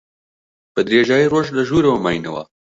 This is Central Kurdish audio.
بە درێژایی ڕۆژ لە ژوورەوە ماینەوە.